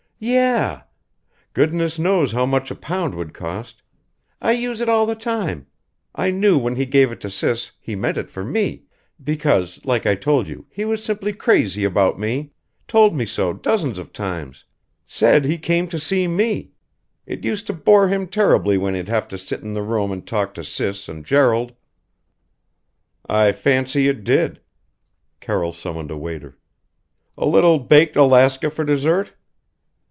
"Yeh goodness knows how much a pound would cost. I used it all the time I knew when he gave it to Sis he meant it for me because, like I told you, he was simply crazy about me. Told me so dozens of times. Said he came to see me. It used to bore him terribly when he'd have to sit in the room and talk to Sis and Gerald." "I fancy it did " Carroll summoned a waiter "A little baked Alaska for dessert?"